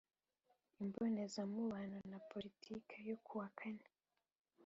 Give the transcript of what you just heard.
Imbonezamubano na Politiki yo kuwa kane